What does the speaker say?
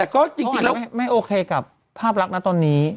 แต่ก็จริงแล้วไม่โอเคกับภาพลักษณ์นะตอนนี้